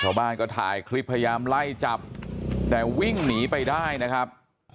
ชาวบ้านก็ถ่ายคลิปพยายามไล่จับแต่วิ่งหนีไปได้นะครับ